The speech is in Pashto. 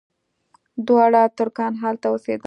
دواړه ترکان هلته اوسېدل.